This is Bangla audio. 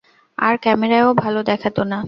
আর ক্যামেরায়ও ভালো দেখাত না।